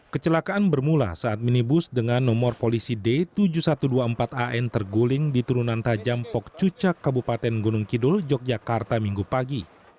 kecelakaan bermula saat minibus dengan nomor polisi d tujuh ribu satu ratus dua puluh empat an terguling di turunan tajam pok cucak kabupaten gunung kidul yogyakarta minggu pagi